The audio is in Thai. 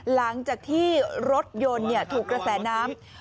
หลังจากที่รถยนต์ถูกกระแสน้ำ